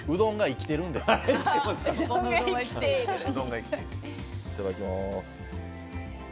いただきます。